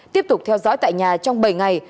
tiếp tục theo dõi tại nhà trong bảy ngày